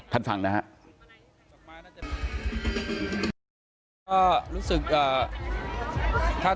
ท่านฟังนะฮะ